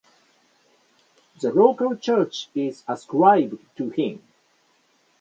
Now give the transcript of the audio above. The local church is ascribed to him.